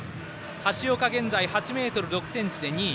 橋岡は現在、８ｍ６ｃｍで２位。